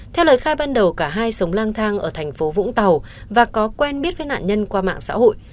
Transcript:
theo lời khai ban đầu cả hai sống lang thang ở tp hcm và có quen biết với nạn nhân qua mạng xã hội